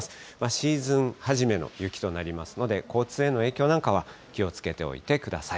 シーズン初めの雪となりますので、交通への影響なんかは気をつけておいてください。